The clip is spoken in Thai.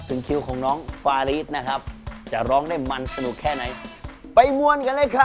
พ่อผมล้วน